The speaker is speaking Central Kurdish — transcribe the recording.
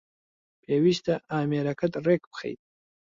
پێویستە ئامێرەکەت رێک بخەیت